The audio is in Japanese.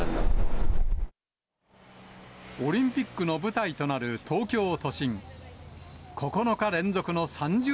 オリンピックの舞台となる東京都心。